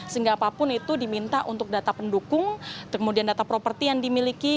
sehingga apapun itu diminta untuk data pendukung kemudian data properti yang dimiliki